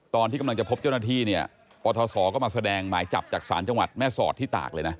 ตอนที่กำลังจะพบเจ้าหน้าที่เนี่ยปทศก็มาแสดงหมายจับจากศาลจังหวัดแม่สอดที่ตากเลยนะ